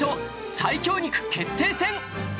最強肉決定戦！